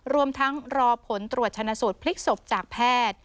รวมทั้งรอผลตรวจชนะสูตรพลิกศพจากแพทย์